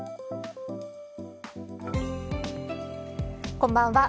こんばんは。